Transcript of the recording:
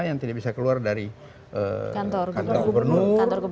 yang tidak bisa keluar dari kantor gubernur